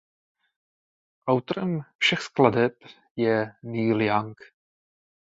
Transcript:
Autorem všech skladeb je Neil Young.